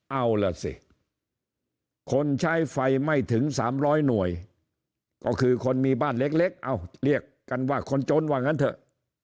เอาล่ะสิคนใช้ไฟไม่ถึง๓๐๐หน่วยก็คือคนมีบ้านเล็กเอ้าเรียกกันว่าคนจนว่างั้นเถอะ